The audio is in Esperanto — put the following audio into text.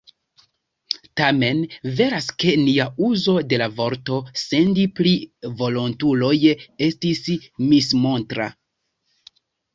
Tamen veras, ke nia uzo de la vorto "sendi" pri volontuloj estis mismontra.